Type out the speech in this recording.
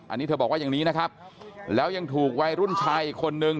อันนี้เธอบอกว่าอย่างนี้นะครับแล้วยังถูกวัยรุ่นชายอีกคนนึง